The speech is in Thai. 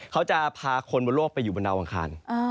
เขาจะพาคนบนโลกไปอยู่บนดาวอังคาร